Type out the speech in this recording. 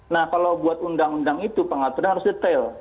nah kalau buat undang undang itu pengaturnya harus detail